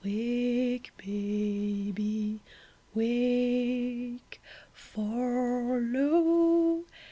Wake, baby, wake ! For, lo !